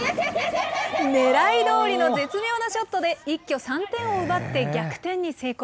ねらいどおりの絶妙なショットで一挙３点を奪って逆転に成功。